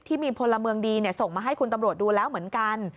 ที่มีพลเมืองดีส่งมาให้คุณตำรวจดูแล้วเหมือนกัน